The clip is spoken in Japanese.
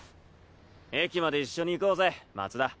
駅まで一緒に行こうぜ松田。